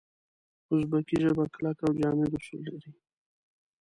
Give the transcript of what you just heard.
اوزبکي ژبه کلک او جامد اصول لري.